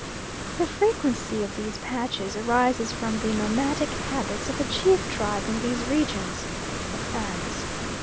The frequency of these patches arises from the nomadic habits of the chief tribe in these regions, the Fans.